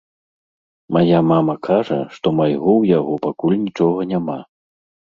Мая мама кажа, што майго ў яго пакуль нічога няма.